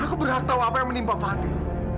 aku berhak tahu apa yang menimpa fadi